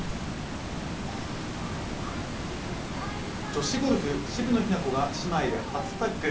女子ゴルフ渋野日向子が姉妹で初タッグ。